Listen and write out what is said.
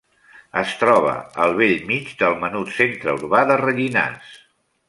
Es troba al bell mig del menut centre urbà de Rellinars.